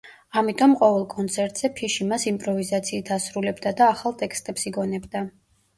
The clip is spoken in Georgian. ამიტომ ყოველ კონცერტზე ფიში მას იმპროვიზაციით ასრულებდა და ახალ ტექსტებს იგონებდა.